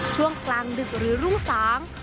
ช่วงกลางดึกหรือรุ่งสาง